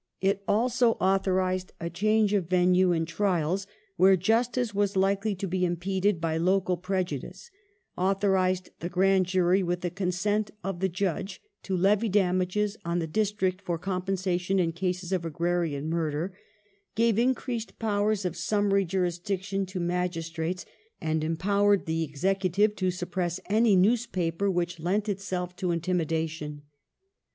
It also authorized a change of venue in trials, where justice was likely to be impeded by local prejudice ; authorized the grand jury, with the consent of the judge, to levy damages on the district for compensation in cases of agi'aiian murder; gave increased powei*s of summary jurisdiction to magi strates, and empowered the Executive to suppress any newspaper which lent itself to intimidation.